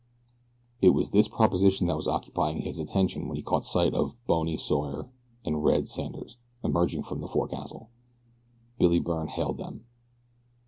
It was this proposition that was occupying his attention when he caught sight of "Bony" Sawyer and "Red" Sanders emerging from the forecastle. Billy Byrne hailed them.